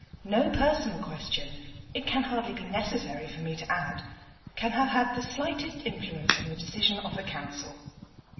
No personal question (it can hardly be necessary for me to add) can have had the slightest influence on the decision of the Council.